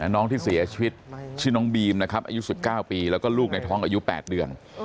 น้องที่เสียชีวิตชื่อน้องบีมนะครับอายุ๑๙ปีแล้วก็ลูกในท้องอายุ๘เดือน